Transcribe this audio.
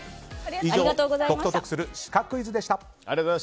以上、解くと得するシカクイズでした。